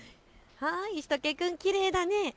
しゅと犬くん、きれいだね。